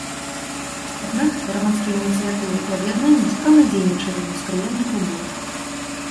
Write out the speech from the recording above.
Аднак, грамадскія ініцыятывы і аб'яднанні спраўна дзейнічалі ў неспрыяльных умовах.